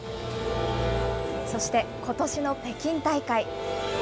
そして、ことしの北京大会。